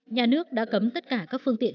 nhà nước đã cấm tất cả các phương tiện